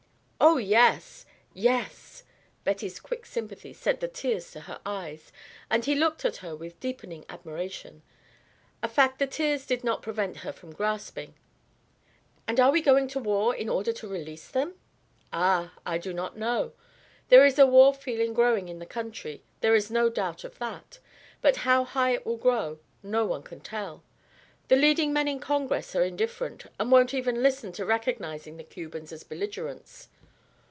"Oh, yes! Yes!" Betty's quick sympathy sent the tears to her eyes, and he looked at her with deepening admiration, a fact the tears did not prevent her from grasping. "And are we going to war in order to release them?" "Ah! I do not know. There is a war feeling growing in the country; there is no doubt of that. But how high it will grow no one can tell. The leading men in Congress are indifferent, and won't even listen to recognizing the Cubans as belligerents.